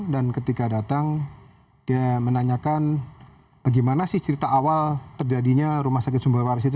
dan ketika datang dia menanyakan bagaimana cerita awal terjadinya rumah sakit sumber waras itu